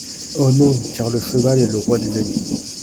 Oh non ! car le cheval est le roi des animaux !